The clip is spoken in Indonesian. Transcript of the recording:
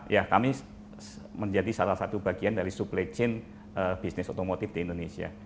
ya kami menjadi salah satu bagian dari supply chain bisnis otomotif di indonesia